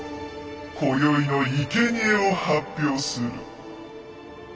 こよいのいけにえを発表する。